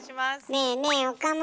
ねえねえ岡村。